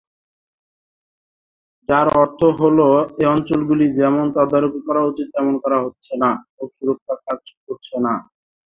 যার অর্থ হ'ল এই অঞ্চলগুলি যেমন তদারকি করা উচিত তেমন করা হচ্ছে না এবং সুরক্ষা কাজ করছে না।